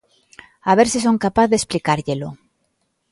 A ver se son capaz de explicárllelo.